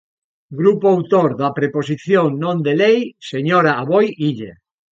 Grupo autor da proposición non de lei, señora Aboi Illa.